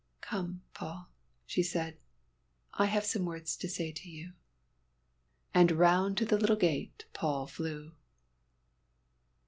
"Come, Paul," she said. "I have some words to say to you." And round to the little gate Paul flew.